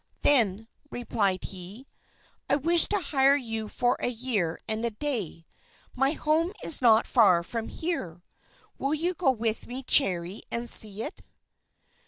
"Then," replied he, "I wish to hire you for a year and a day. My home is not far from here. Will you go with me, Cherry, and see it?"